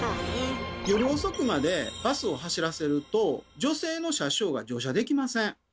夜遅くまでバスを走らせると女性の車掌が乗車できません。